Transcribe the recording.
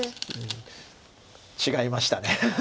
違いました。